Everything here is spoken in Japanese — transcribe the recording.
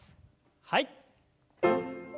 はい。